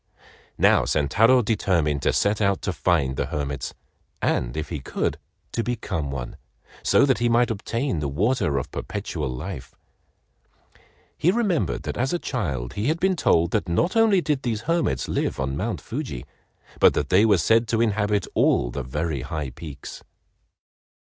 Now Sentaro determined to set out to find the hermits, and if he could, to become one, so that he might obtain the water of perpetual life. He remembered that as a child he had been told that not only did these hermits live on Mount Fuji, but that they were said to inhabit all the very high peaks.